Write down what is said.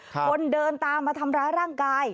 คนเดินตามมาทำร้ายร่างกาย